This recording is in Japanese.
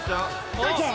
大ちゃん！